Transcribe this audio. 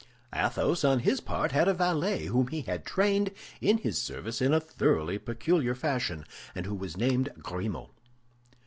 Athos, on his part, had a valet whom he had trained in his service in a thoroughly peculiar fashion, and who was named Grimaud.